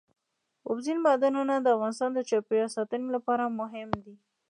اوبزین معدنونه د افغانستان د چاپیریال ساتنې لپاره مهم دي.